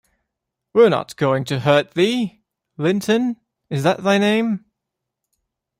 We’re not going to hurt thee, Linton — isn’t that thy name?